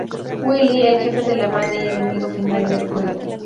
Willy: El jefe de la banda y enemigo final del juego.